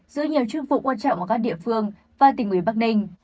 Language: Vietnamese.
giữ nhiều chương phục quan trọng của các địa phương và tỉnh nguyễn bắc ninh